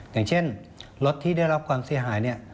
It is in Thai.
อย่างเช่นรถที่ได้รับความเสียหายเนี่ย